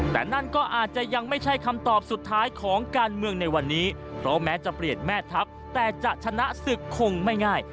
แต่นั่นก็อาจจะยังไม่ใช่คำตอบสุดท้ายของการเมืองในวันนี้เพราะแม้จะเปลี่ยนแม่ทัพแต่จะชนะศึกคงไม่ง่าย